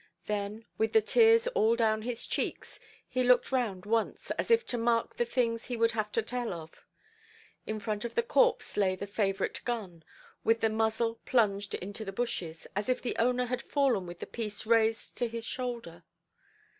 Then, with the tears all down his cheeks, he looked round once, as if to mark the things he would have to tell of. In front of the corpse lay the favourite gun, with the muzzle plunged into the bushes, as if the owner had fallen with the piece raised to his shoulder.